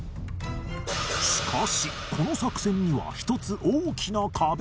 しかしこの作戦には一つ大きな壁が